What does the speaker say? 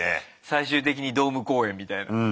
最終的にドーム公演みたいな。